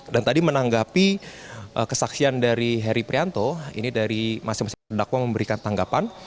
dan tadi menanggapi kesaksian dari heri prianto ini dari masing masing pendakwa memberikan tanggapan